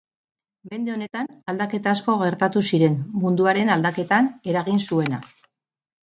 mende honetan, aldaketa asko gertatu ziren, munduaren aldaketan eragin zuena.